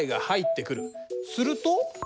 すると。